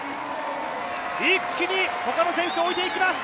一気に他の選手を置いていきます。